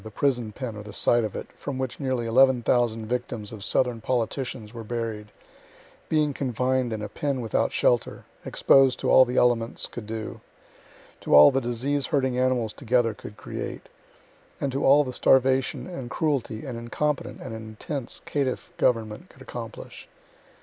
the prison pen or the site of it, from which nearly 11,000 victims of southern politicians were buried, being confined in a pen without shelter, exposed to all the elements could do, to all the disease herding animals together could create, and to all the starvation and cruelty an incompetent and intense caitiff government could accomplish.